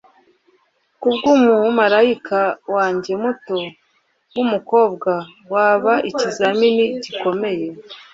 Kubwumumarayika wanjye muto wumukobwa waba ikizamini gikomeye